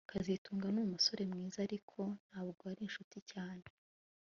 kazitunga ni umusore mwiza ariko ntabwo ari inshuti cyane